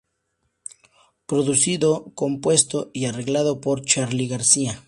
Producido, compuesto y arreglado por Charly García.